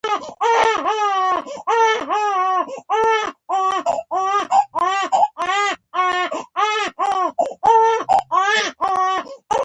د ښوونکي لارښوونې د زده کړې لاره روښانه کړه.